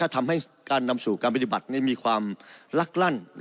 ทำให้การนำสู่การปฏิบัติมีความลักลั่น